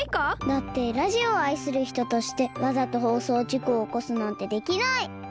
だってラジオをあいするひととしてわざとほうそうじこをおこすなんてできない！